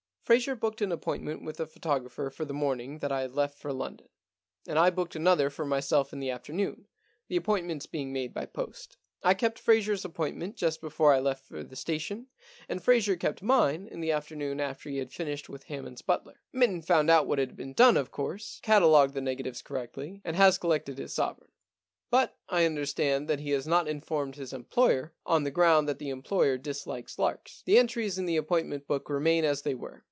Fraser booked an appointment with the photographer for the morning that I left for London, and I booked another for m.yself in the afternoon, the appointments being made by post. I kept Fraser's appoint ment just before I left for the station, and Fraser kept mine in the afternoon after he had finished with Hammond*s butler. Mitten found out what had been, done, of course, i8i The Problem Club catalogued the negatives correctly, and has collected his sovereign. But I understand that he has not informed his employer, on the ground that the employer dislikes larks. The entries in the appointment book remain as they were.